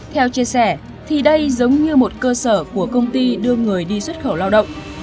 theo chia sẻ thì đây giống như một cơ sở của công ty đưa người đi xuất khẩu lao động